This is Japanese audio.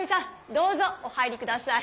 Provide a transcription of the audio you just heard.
どうぞお入り下さい。